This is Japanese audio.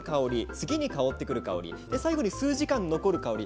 次に香ってくる香り数時間残る香り